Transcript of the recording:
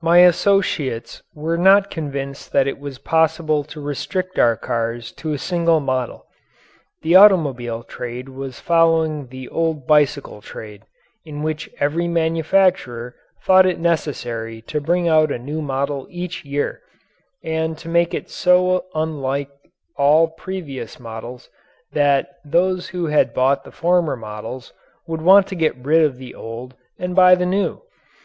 My associates were not convinced that it was possible to restrict our cars to a single model. The automobile trade was following the old bicycle trade, in which every manufacturer thought it necessary to bring out a new model each year and to make it so unlike all previous models that those who had bought the former models would want to get rid of the old and buy the new.